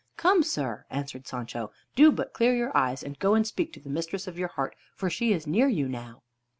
"Come, sir," answered Sancho, "do but clear your eyes, and go and speak to the Mistress of your Heart, for she is near you now."